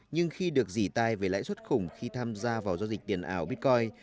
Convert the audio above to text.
nhưng khi được dỉ tai về lãi suất khủng khi tham gia vào giao dịch tiền ảo bitcoin